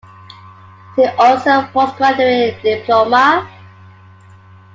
See also postgraduate diploma.